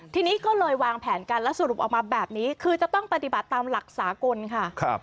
ทีนี้ก็เลยวางแผนกันและสรุปออกมาแบบนี้คือจะต้องปฏิบัติตามหลักสากลค่ะ